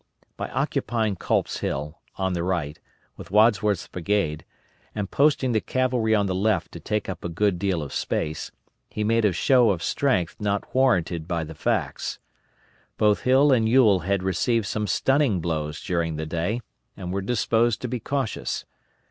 By occupying Culp's Hill, on the right, with Wadsworth's brigade, and posting the cavalry on the left to take up a good deal of space, he made a show of strength not warranted by the facts. Both Hill and Ewell had received some stunning blows during the day, and were disposed to be cautious.